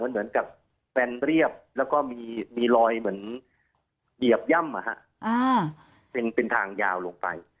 มันเหมือนกับแบนเรียบแล้วก็มีมีรอยเหมือนเหยียบย่ำอ่ะฮะอ่าเป็นเป็นทางยาวลงไป